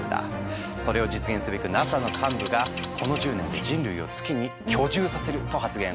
それを実現すべくＮＡＳＡの幹部が「この１０年で人類を月に居住させる」と発言。